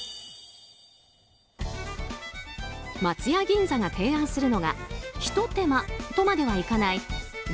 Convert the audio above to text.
松屋銀座が提案するのがひと手間とまではいかない０．５